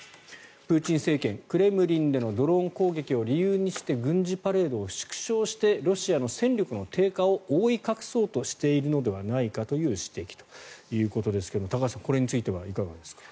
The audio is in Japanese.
プーチン政権、クレムリンでのドローン攻撃を理由にして軍事パレードを縮小してロシアの戦力の低下を覆い隠そうとしているのではないかという指摘ということですが高橋さん、これについてはいかがですか。